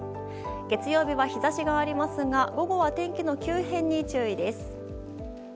月曜日は日差しがありますが午後は天気の急変に注意です。